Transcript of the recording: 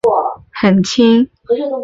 扳机扣力很轻。